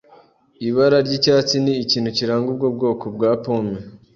Ibara ry'icyatsi ni ikintu kiranga ubwo bwoko bwa pome.